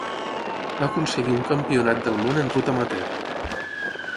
Va aconseguir un Campionat del món en ruta amateur.